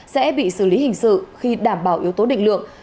sẽ bị xử lý hình sự khi đảm bảo yếu tố định lượng